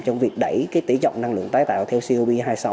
trong việc đẩy cái tỷ trọng năng lượng tái tạo theo cop hai mươi sáu